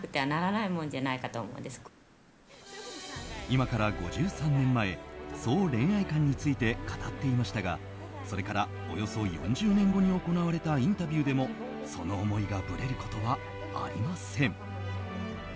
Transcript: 今から５３年前そう恋愛観について語っていましたがそれから、およそ４５年後に行われたインタビューでもその思いがぶれることはありません。